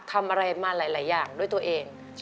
ทำอะไรมาหลายอย่างด้วยตัวเอง